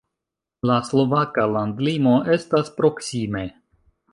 La slovaka landlimo estas proksime.